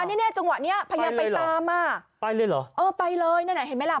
นี้จังหวะเนี่ยพยายามไปตาม้าไปเลยหรออ๋อไปเลยนั่นไงเห็นไหมลา